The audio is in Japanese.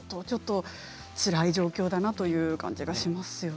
ちょっとつらい状況だなという感じがします。